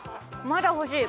まだほしい